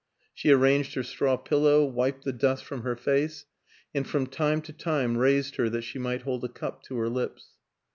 She ar ranged her straw pillow, wiped the dust from her face, and from time to time raised her that she might hold a cup to her lips.